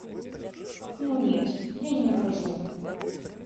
Ну, нет, я не нахожу.